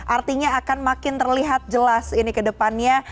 artinya akan makin terlihat jelas ini kedepannya